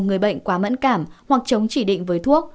người bệnh quá mẫn cảm hoặc chống chỉ định với thuốc